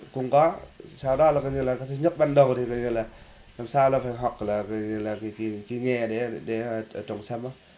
cũng có sau đó là cái thứ nhất ban đầu thì làm sao là phải học là cái nghề để trồng sâm